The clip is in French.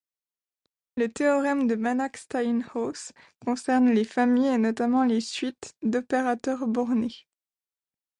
Le théorème de Banach-Steinhaus concerne les familles, et notamment les suites, d'opérateurs bornés.